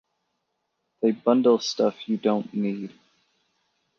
They bundle stuff you don't need